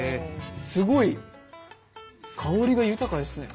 すごい香りが豊かですね。